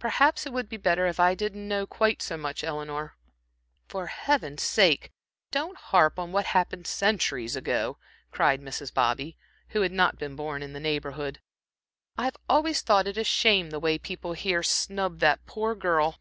Perhaps it would be better if I didn't know quite so much, Eleanor." "For Heaven's sake, don't harp on what happened centuries ago," cried Mrs. Bobby, who had not been born in the neighborhood. "I've always thought it a shame the way people here snub that poor girl.